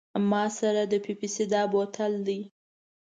ما سره د پیپسي دا بوتل دی.